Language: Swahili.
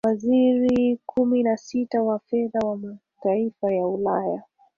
waziri kumi na sita wa fedha wa mataifa ya ulaya